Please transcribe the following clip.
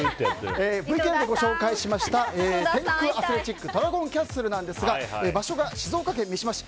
ＶＴＲでご紹介しました天空アスレチックドラゴンキャッスルですが場所が静岡県三島市。